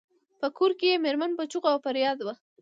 په کور کې یې میرمن په چیغو او فریاد وه.